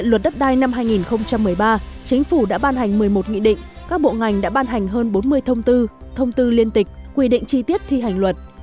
năm hai nghìn một mươi một nghị định các bộ ngành đã ban hành hơn bốn mươi thông tư thông tư liên tịch quy định chi tiết thi hành luật